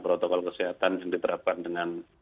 protokol kesehatan yang diterapkan dengan